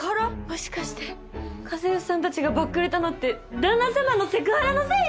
もしかして家政婦さんたちがバックレたのって旦那様のセクハラのせい？